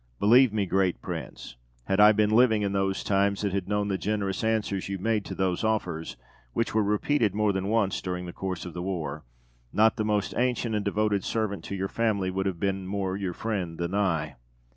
Believe me, great prince, had I been living in those times, and had known the generous answers you made to those offers (which were repeated more than once during the course of the war), not the most ancient and devoted servant to your family would have been more your friend than I.